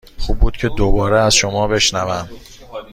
خوب بود که دوباره از شما بشنوم.